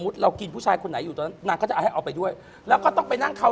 ที่ผ่านมาหนึ่งโควิดช่วยเนอะ